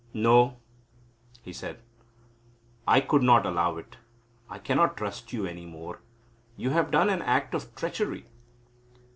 "No," he said, "I could not allow it. I cannot trust you any more. You have done an act of treachery."